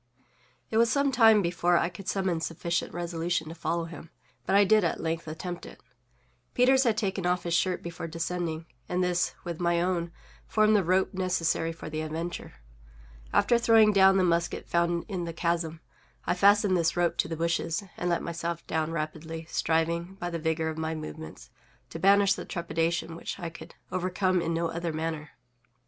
It was some time before I could summon sufficient resolution to follow him; but I did at length attempt it. Peters had taken off his shirt before descending, and this, with my own, formed the rope necessary for the adventure. After throwing down the musket found in the chasm, I fastened this rope to the bushes, and let myself down rapidly, striving, by the vigor of my movements, to banish the trepidation which I could overcome in no other manner.